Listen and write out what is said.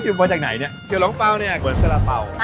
นี่มันมาจากไหนเนี่ยเสี่ยวโรงเป้าเนี่ยเหมือนเสื้อระเป๋า